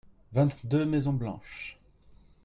vingt deux maisons blanches.